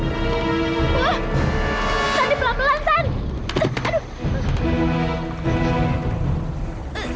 wah sandi pelan pelan san